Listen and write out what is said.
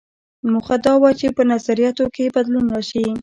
موخه دا وه چې په نظریاتو کې یې بدلون راشي.